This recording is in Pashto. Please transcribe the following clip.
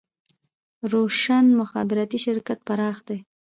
روشن مخابراتي شرکت پراخ دی